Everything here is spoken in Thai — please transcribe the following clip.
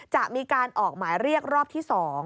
จะมีการออกหมายเรียกรอบที่๒